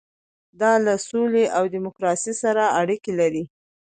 دا له سولې او ډیموکراسۍ سره اړیکه لري.